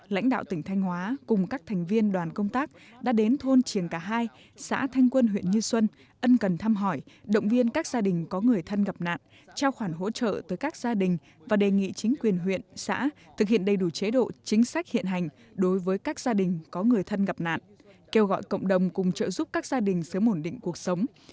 lãnh đạo tỉnh thanh hóa cùng các thành viên đoàn công tác đã đến thôn triền cà hai xã thanh quân huyện như xuân ân cần thăm hỏi động viên các gia đình có người thân gặp nạn trao khoản hỗ trợ tới các gia đình và đề nghị chính quyền huyện xã thực hiện đầy đủ chế độ chính sách hiện hành đối với các gia đình có người thân gặp nạn kêu gọi cộng đồng cùng trợ giúp các gia đình sớm ổn định cuộc sống